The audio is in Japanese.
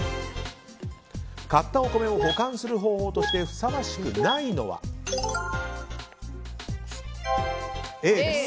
買ったお米を保管する方法としてふさわしくないのはＡです。